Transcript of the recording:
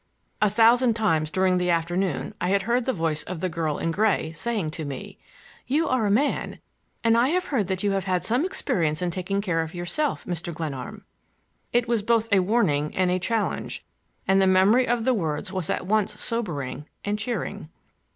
A thousand times during the afternoon I had heard the voice of the girl in gray saying to me: "You are a man, and I have heard that you have had some experience in taking care of yourself, Mr. Glenarm." It was both a warning and a challenge, and the memory of the words was at once sobering and cheering.